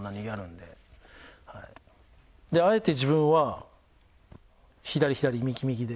であえて自分は左左右右で。